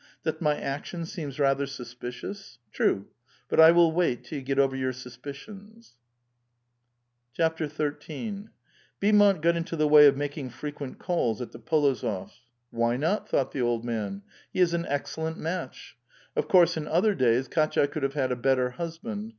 ''That my action seems rather suspicious? True; but I will wait till you get over your suspicions." xni. Beaumont got into the way of making frequent calls at the P61ozofs'. " Why not?" thought the old man. '• He is an excellent match. Of course in other days Kdtya could have had a better husband.